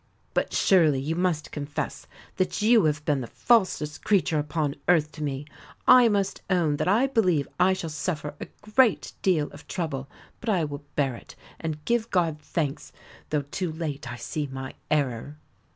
But surely you must confess that you have been the falsest creature upon earth to me. I must own that I believe I shall suffer a great deal of trouble; but I will bear it, and give God thanks, though too late I see my error."